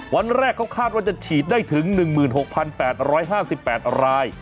วันแรกเขาคาดว่าจะฉีดได้ถึง๑๖๘๕๘ราย